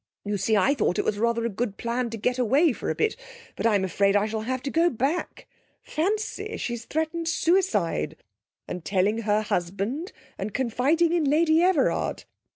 You see, I thought it was rather a good plan to get away for a bit, but I'm afraid I shall have to go back. Fancy, she's threatened suicide, and telling her husband, and confiding in Lady Everard!